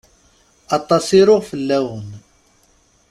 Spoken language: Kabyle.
Aṭas i ruɣ fell-awen.